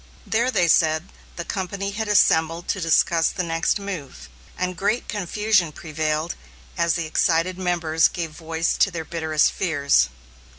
There, they said, the company had assembled to discuss the next move, and great confusion prevailed as the excited members gave voice to their bitterest fears.